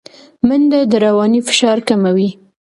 منډه د رواني فشار کموي